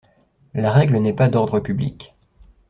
La règle n'est pas d'ordre public.